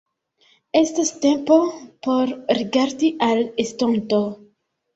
Estas tempo por rigardi al estonto.